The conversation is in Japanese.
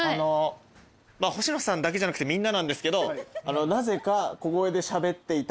まあ星野さんだけじゃなくてみんななんですけどなぜか小声でしゃべっていたてら山。